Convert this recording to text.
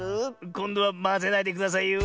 こんどはまぜないでくださいよ。